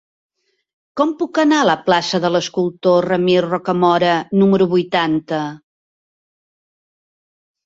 Com puc anar a la plaça de l'Escultor Ramir Rocamora número vuitanta?